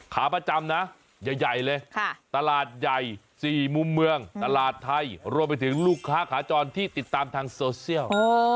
ขาประจำนะใหญ่เลยตลาดใหญ่๔มุมเมืองตลาดไทยรวมไปถึงลูกค้าขาจรที่ติดตามทางโซเชียล